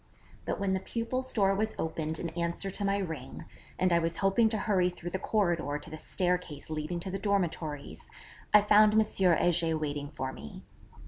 But when the pupil's door was opened in answer to my ring, and I was hoping to hurry through the corridor to the staircase leading to the dormitories, I found M. Heger waiting for me.